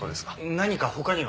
何か他には？